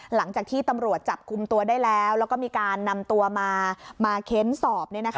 หลังจากที่ตำรวจจับคุมตัวได้แล้วแล้วก็มีการนำตัวมาเค้นสอบ